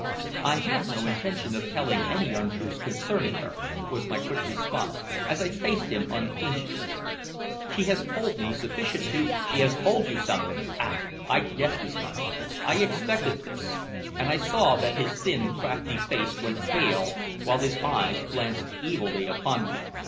"I have no intention of telling any untruths concerning her," was my quick response, as I faced him unflinchingly. "She has told me sufficient to " "She has told you something! Ah! I guessed as much. I expected this!" And I saw that his thin, crafty face went pale, while his eyes glanced evilly upon me.